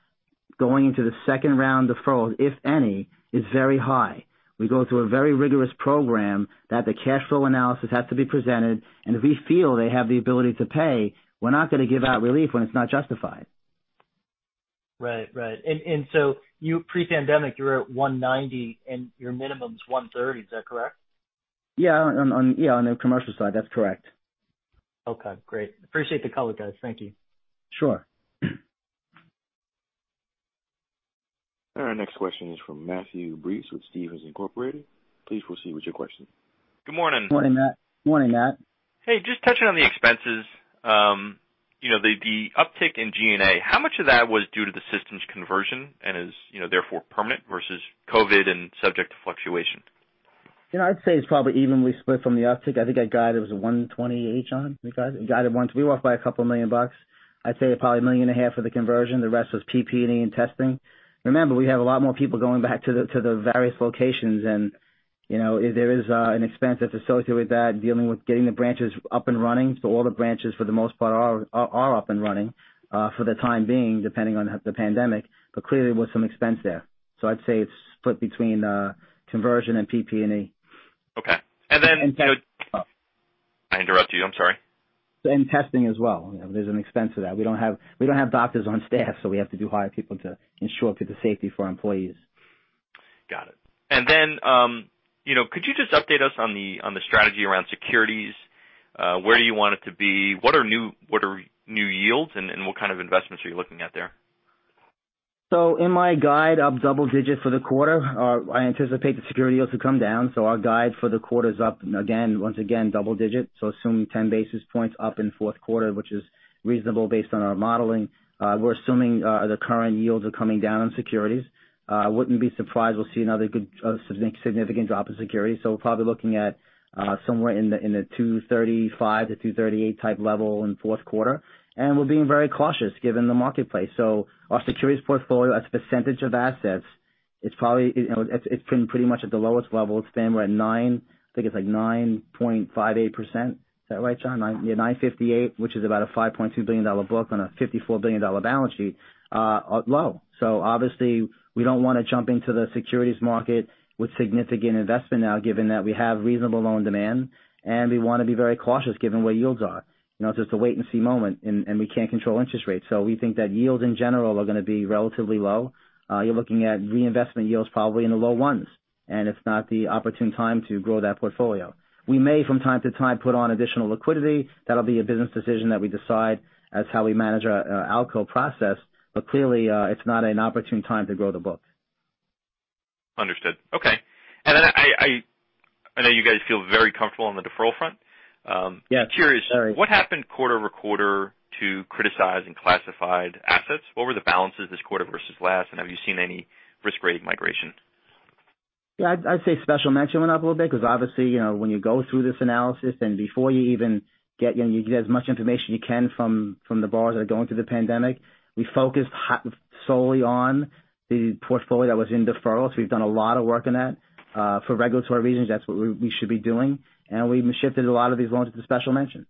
going into the second round deferrals, if any, is very high. We go through a very rigorous program that the cash flow analysis has to be presented. And if we feel they have the ability to pay, we're not going to give out relief when it's not justified. Right. Right. And so pre-pandemic, you were at 190, and your minimum is 130. Is that correct? Yeah. On the commercial side, that's correct. Okay. Great. Appreciate the color, guys. Thank you. Sure. And our next question is from Matthew Breese with Stephens Incorporated. Please proceed with your question. Good morning. Good morning, Matthew. Hey, just touching on the expenses, the uptick in G&A, how much of that was due to the system's conversion and is therefore permanent versus COVID and subject to fluctuation? I'd say it's probably evenly split from the uptick. I think I got it was 120 each on. We got it once. We lost by $2 million. I'd say probably $1.5 million for the conversion. The rest was PPE and testing. Remember, we have a lot more people going back to the various locations. There is an expense associated with that, dealing with getting the branches up and running. So all the branches, for the most part, are up and running for the time being, depending on the pandemic. But clearly, there was some expense there. So I'd say it's split between conversion and PPE. Okay. And then I interrupted you. I'm sorry. And testing as well. There's an expense for that. We don't have doctors on staff, so we have to hire people to ensure the safety for our employees. Got it. And then could you just update us on the strategy around securities? Where do you want it to be? What are new yields, and what kind of investments are you looking at there? So in my guide, up double digits for the quarter. I anticipate the securities yields to come down. So our guide for the quarter is up, again, once again, double digits. So assume 10 basis points up in fourth quarter, which is reasonable based on our modeling. We're assuming the current yields are coming down on securities. I wouldn't be surprised we'll see another significant drop in securities. We're probably looking at somewhere in the 235 to 238 type level in fourth quarter. We're being very cautious given the marketplace. Our securities portfolio, as a percentage of assets, it's been pretty much at the lowest level. It's been at 9, I think it's like 9.58%. Is that right, John? 9.58%, which is about a $5.2 billion book on a $54 billion balance sheet, low. Obviously, we don't want to jump into the securities market with significant investment now, given that we have reasonable loan demand. We want to be very cautious given what yields are. It's just a wait-and-see moment, and we can't control interest rates. We think that yields in general are going to be relatively low. You're looking at reinvestment yields probably in the low ones. It's not the opportune time to grow that portfolio. We may, from time to time, put on additional liquidity. That'll be a business decision that we decide as how we manage our outcall process. But clearly, it's not an opportune time to grow the book. Understood. Okay. And then I know you guys feel very comfortable on the deferral front. Curious, what happened quarter over quarter to criticized and classified assets? What were the balances this quarter versus last? And have you seen any risk-grade migration? Yeah. I'd say special mention went up a little bit because, obviously, when you go through this analysis, and before you even get as much information you can from the borrowers that are going through the pandemic, we focused solely on the portfolio that was in deferrals. We've done a lot of work on that. For regulatory reasons, that's what we should be doing. We shifted a lot of these loans to special mention.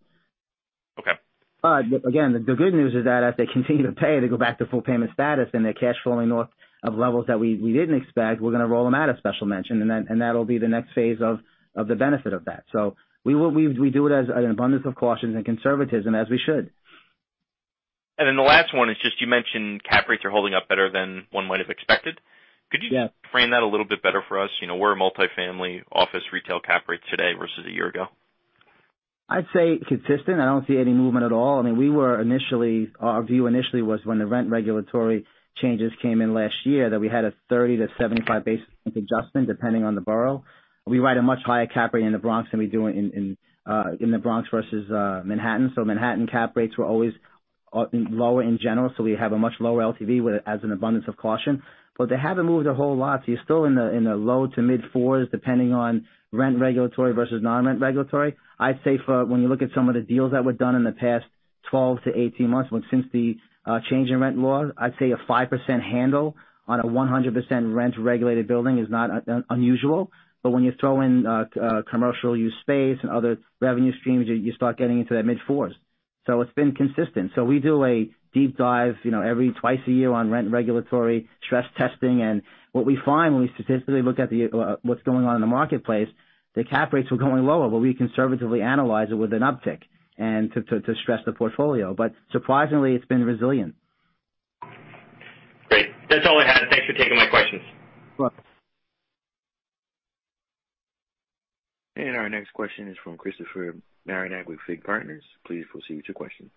But again, the good news is that as they continue to pay, they go back to full payment status, and they're cash flowing off of levels that we didn't expect. We're going to roll them out of special mention. And that'll be the next phase of the benefit of that. So we do it as an abundance of caution and conservatism, as we should. And then the last one is just you mentioned cap rates are holding up better than one might have expected. Could you frame that a little bit better for us? Where are multi-family, office, retail cap rates today versus a year ago? I'd say consistent. I don't see any movement at all. I mean, our view initially was when the rent regulatory changes came in last year that we had a 30 to 75 basis point adjustment, depending on the borough. We write a much higher cap rate in the Bronx than we do versus Manhattan, so Manhattan cap rates were always lower in general, so we have a much lower LTV as an abundance of caution. But they haven't moved a whole lot, so you're still in the low to mid 4s, depending on rent regulatory versus non-rent regulatory. I'd say when you look at some of the deals that were done in the past 12 to 18 months since the change in rent law, I'd say a 5% handle on a 100% rent-regulated building is not unusual. But when you throw in commercial use space and other revenue streams, you start getting into that mid 4s. So it's been consistent. So we do a deep dive every twice a year on rent regulatory stress testing. And what we find when we statistically look at what's going on in the marketplace, the cap rates were going lower, but we conservatively analyze it with an uptick to stress the portfolio. But surprisingly, it's been resilient. Great. That's all I had. Thanks for taking my questions. And our next question is from Christopher Marinac with FIG Partners. Please proceed with your question.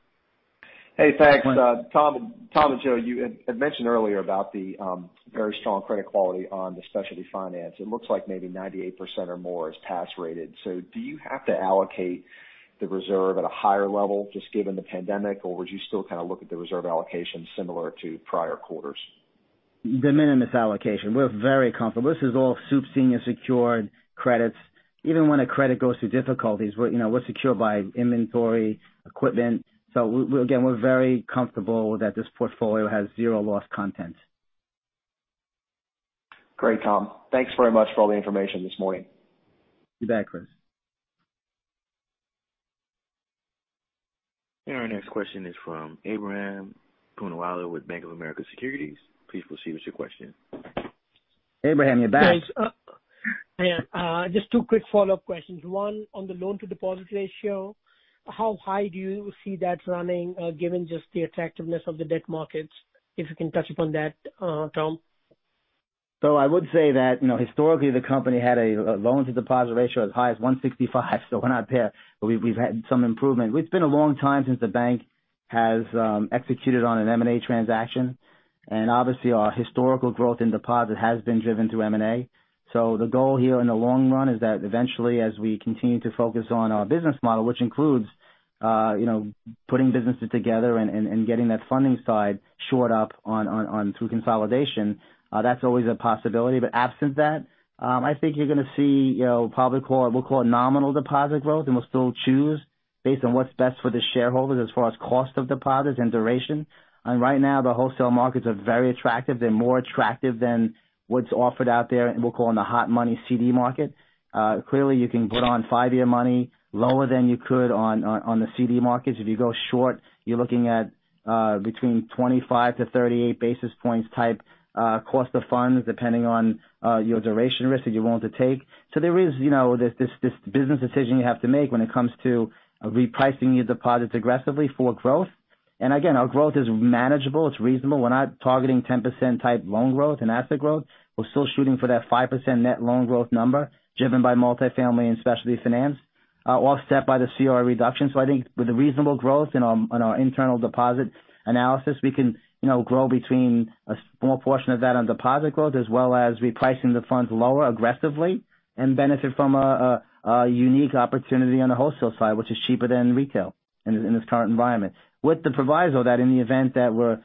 Hey, thanks. Tom and Joe, you had mentioned earlier about the very strong credit quality on the specialty finance. It looks like maybe 98% or more is pass rated. So do you have to allocate the reserve at a higher level just given the pandemic, or would you still kind of look at the reserve allocation similar to prior quarters? Diminished allocation. We're very comfortable. This is all super senior secured credits. Even when a credit goes through difficulties, we're secured by inventory, equipment. So again, we're very comfortable that this portfolio has zero loss content. Great, Tom. Thanks very much for all the information this morning. You bet, Christopher. And our next question is from Ebrahim Poonawala with Bank of America Securities. Please proceed with your question. Ebrahim, you're back. Hey, just two quick follow-up questions. One, on the loan-to-deposit ratio, how high do you see that running given just the attractiveness of the debt markets? If you can touch upon that, Tom. So I would say that historically, the company had a loan-to-deposit ratio as high as 165. So we're not there. But we've had some improvement. It's been a long time since the bank has executed on an M&A transaction. And obviously, our historical growth in deposit has been driven through M&A. So the goal here in the long run is that eventually, as we continue to focus on our business model, which includes putting businesses together and getting that funding side shored up through consolidation, that's always a possibility. But absent that, I think you're going to see probably what we'll call nominal deposit growth. And we'll still choose based on what's best for the shareholders as far as cost of deposits and duration. And right now, the wholesale markets are very attractive. They're more attractive than what's offered out there, what we'll call in the hot money CD market. Clearly, you can put on five-year money lower than you could on the CD markets. If you go short, you're looking at between 25-38 basis points type cost of funds, depending on your duration risk that you're willing to take. So there is this business decision you have to make when it comes to repricing your deposits aggressively for growth, and again, our growth is manageable. It's reasonable. We're not targeting 10% type loan growth and asset growth. We're still shooting for that 5% net loan growth number driven by multi-family and specialty finance, offset by the CRE reduction, so I think with a reasonable growth in our internal deposit analysis, we can grow between a small portion of that on deposit growth as well as repricing the funds lower aggressively and benefit from a unique opportunity on the wholesale side, which is cheaper than retail in this current environment. With the proviso that in the event that we're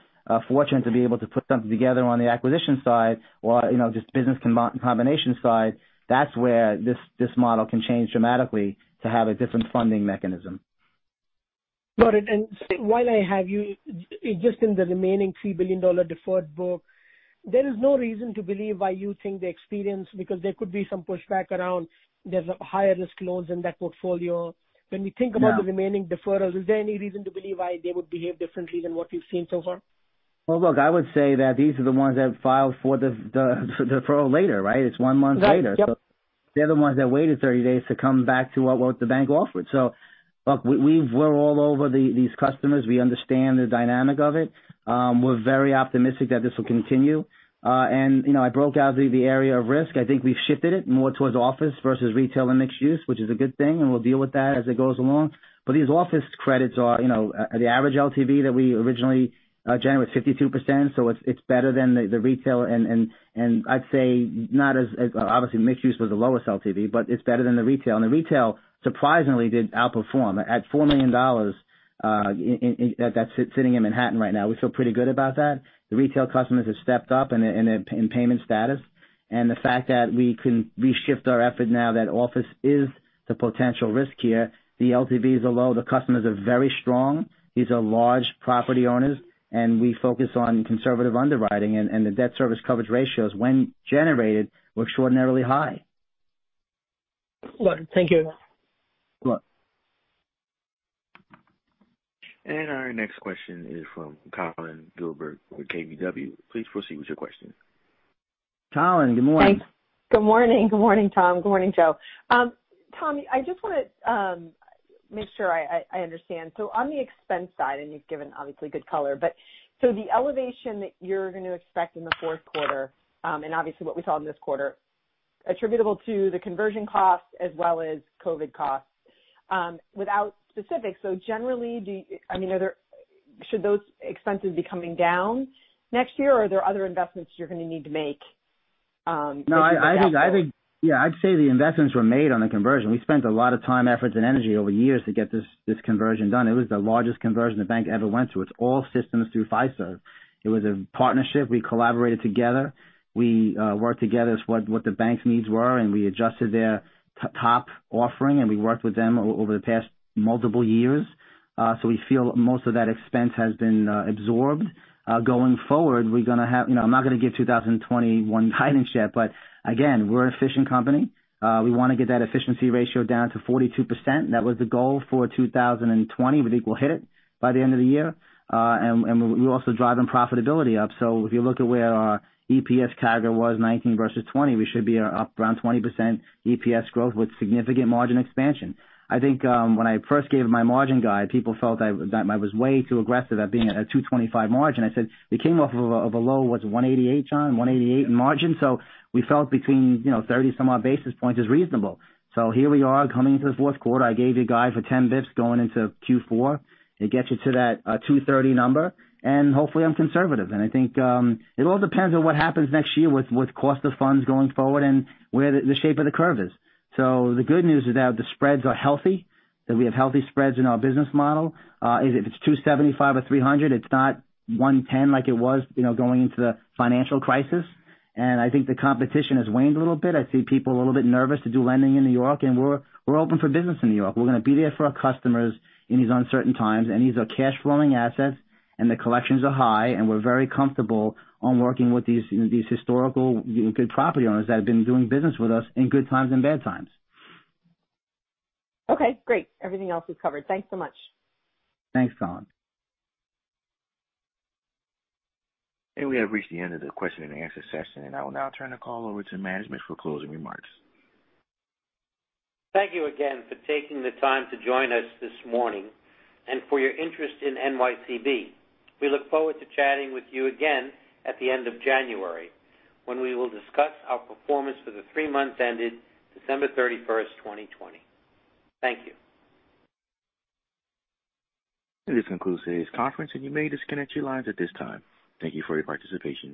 fortunate to be able to put something together on the acquisition side or just business combination side, that's where this model can change dramatically to have a different funding mechanism. Got it. And while I have you, just in the remaining $3 billion deferred book, there is no reason to believe why you think the experience, because there could be some pushback around there's higher risk loans in that portfolio. When we think about the remaining deferrals, is there any reason to believe why they would behave differently than what we've seen so far? Well, look, I would say that these are the ones that filed for the deferral later, right? It's one month later. So they're the ones that waited 30 days to come back to what the bank offered. So look, we're all over these customers. We understand the dynamic of it. We're very optimistic that this will continue. And I broke out the area of risk. I think we've shifted it more towards office versus retail and mixed use, which is a good thing. And we'll deal with that as it goes along. But these office credits are the average LTV that we originally generated was 52%. So it's better than the retail. And I'd say not as obviously, mixed use was the lowest LTV, but it's better than the retail. And the retail, surprisingly, did outperform at $4 million that's sitting in Manhattan right now. We feel pretty good about that. The retail customers have stepped up in payment status. And the fact that we can reshift our effort now that office is the potential risk here, the LTV is a low. The customers are very strong. These are large property owners. And we focus on conservative underwriting. And the debt service coverage ratios, when generated, were extraordinarily high. Thank you. And our next question is from Collyn Gilbert with KBW. Please proceed with your question. Collyn, good morning. Thanks. Good morning. Good morning, Tom. Good morning, Joseph. Tom, I just want to make sure I understand so on the expense side, and you've given obviously good color, but so the elevation that you're going to expect in the fourth quarter, and obviously what we saw in this quarter, attributable to the conversion costs as well as COVID costs, without specifics so generally, I mean, should those expenses be coming down next year, or are there other investments you're going to need to make? No, I think, yeah, I'd say the investments were made on the conversion. We spent a lot of time, effort, and energy over the years to get this conversion done. It was the largest conversion the bank ever went through. It's all systems through Fiserv. It was a partnership. We collaborated together. We worked together as to what the bank's needs were. And we adjusted their top offering. We worked with them over the past multiple years. We feel most of that expense has been absorbed. Going forward, we're going to have. I'm not going to give 2021 guidance yet. Again, we're an efficient company. We want to get that efficiency ratio down to 42%. That was the goal for 2020. We think we'll hit it by the end of the year. We're also driving profitability up. If you look at where our EPS CAGR was 19 versus 20, we should be up around 20% EPS growth with significant margin expansion. I think when I first gave my margin guide, people felt that I was way too aggressive at being at a 225 margin. I said, "It came off of a low, what's 188, John? 188 in margin." We felt between 30-some odd basis points is reasonable. So here we are coming into the fourth quarter. I gave you a guide for 10 basis points going into Q4. It gets you to that 230 number. And hopefully, I'm conservative. And I think it all depends on what happens next year with cost of funds going forward and where the shape of the curve is. So the good news is that the spreads are healthy, that we have healthy spreads in our business model. If it's 275 or 300, it's not 110 like it was going into the financial crisis. And I think the competition has waned a little bit. I see people a little bit nervous to do lending in New York. And we're open for business in New York. We're going to be there for our customers in these uncertain times. And these are cash-flowing assets. And the collections are high. And we're very comfortable on working with these historical good property owners that have been doing business with us in good times and bad times. Okay. Great. Everything else is covered. Thanks so much. Thanks, Collyn. And we have reached the end of the question and answer session. And I will now turn the call over to management for closing remarks. Thank you again for taking the time to join us this morning and for your interest in NYCB. We look forward to chatting with you again at the end of January when we will discuss our performance for the three months ended December 31st, 2020. Thank you. And this concludes today's conference. And you may disconnect your lines at this time. Thank you for your participation.